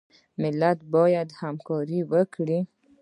ملت باید همکاري وکړي